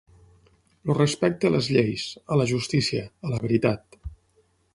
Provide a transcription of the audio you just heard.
El respecte a les lleis, a la justícia, a la veritat.